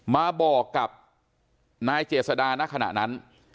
มาบอกกับนายเจษดาณขณะนั้น